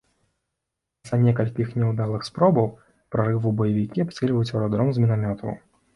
Пасля некалькіх няўдалых спробаў прарыву баевікі абстрэльваюць аэрадром з мінамётаў.